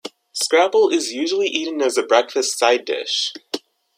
Scrapple is usually eaten as a breakfast side dish.